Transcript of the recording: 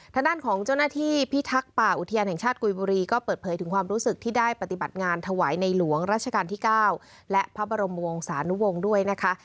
ทางด้านของเจ้าหน้าที่พิทักษ์ป่าอุทยานแห่งชาติกุยบุรีก็เปิดเผยถึงความรู้สึกที่ได้ปฏิบัติงานถวายในหลวงราชการที่๙และพระบรมวงศานุวงศ์ด้วยนะคะ